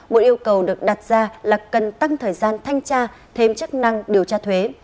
một yêu cầu được đặt ra là cần tăng thời gian thanh tra thêm chức năng điều tra thuế